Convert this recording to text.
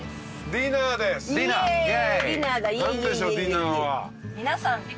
ディナーは。